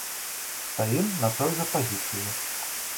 Стаім на той жа пазіцыі.